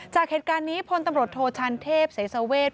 จากเหตุการณ์นี้พลตำรวจโทชันเทพเสสเวท